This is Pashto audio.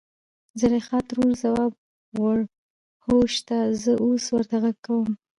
زليخا ترور ځواب وړ .هو شته زه اوس ورته غږ کوم.